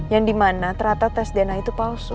yang di mana ternyata tes dna itu palsu